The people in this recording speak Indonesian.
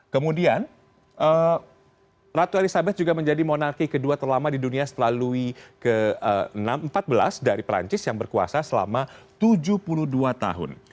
kemudian ratu elizabeth juga menjadi monarki kedua terlama di dunia setelah louis ke empat belas dari perancis yang berkuasa selama tujuh puluh dua tahun